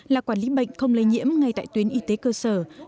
là quản lý bệnh không lây nhiễm ngay tại tuyến y tế cơ sở